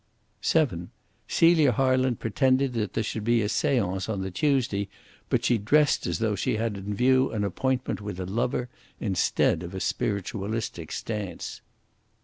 (7) Celia Harland pretended that there should be a seance on the Tuesday, but she dressed as though she had in view an appointment with a lover, instead of a spiritualistic seance.